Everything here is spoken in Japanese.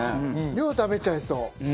量食べちゃいそう。